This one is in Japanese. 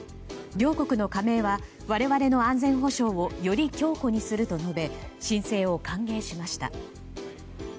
両国の加盟は我々の安全保障をより強固にすると述べ申請を歓迎しました。